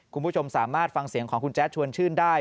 คุณผู้ชมสามารถฟังเสียงของคุณแจ๊ดชวนชื่นได้